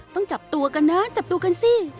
ต้องจับตัวกันนะจับตัวกันสิ